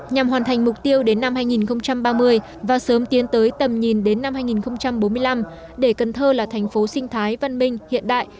nhằm hoàn thành mục tiêu đến năm hai nghìn ba mươi và sớm tiến tới tầm nhìn đến năm hai nghìn bốn mươi năm để cần thơ là thành phố sinh thái văn minh hiện đại